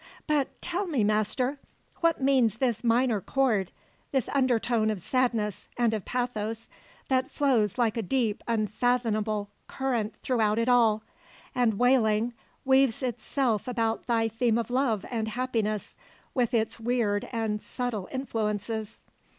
But tell me, Master, what means this minor chord, this undertone of sadness and of pathos that flows like a deep, unfathomable current throughout it all, and wailing, weaves itself about thy theme of love and happiness with its weird and subtile influences?"